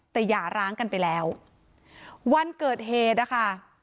แต่อย่าร้างกันไปแล้ววันเกิดเหตุนะคะ